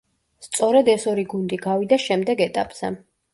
სწორედ ეს ორი გუნდი გავიდა შემდეგ ეტაპზე.